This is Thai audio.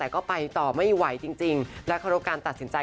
บอกว่าแตงโมเป็นคนดี